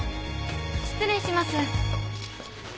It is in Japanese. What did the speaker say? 失礼します。